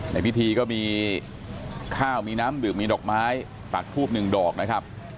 ในพิธีก็มีข้าวมีน้ำดื่มมีดอกไม้ปักทูบหนึ่งดอกนะครับ